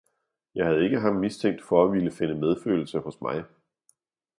Jeg havde ikke ham mistænkt for at ville finde medfølelse hos mig.